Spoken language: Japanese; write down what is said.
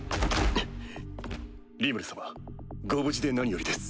様ご無事で何よりです。